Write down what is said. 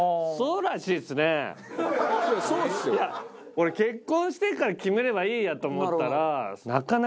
俺結婚してから決めればいいやと思ったら。